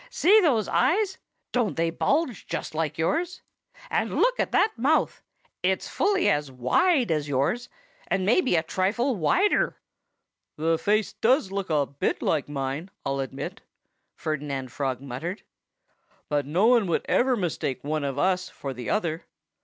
"See those eyes don't they bulge just like yours? And look at that mouth! It's fully as wide as yours and maybe a trifle wider!" "The face does look a bit like mine, I'll admit," Ferdinand Frog muttered. "But no one could ever mistake one of us for the other.